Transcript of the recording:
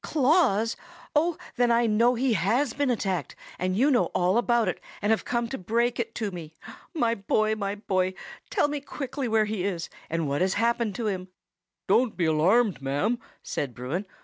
"Claws? Oh! then I know he has been attacked, and you know all about it, and have come to break it to me. My boy! my boy! Tell me quickly where he is, and what has happened to him!" "Don't be alarmed, ma'am," said Bruin.